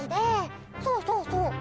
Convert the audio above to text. そうそうそう。